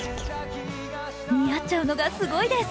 似合っちゃうのがすごいです。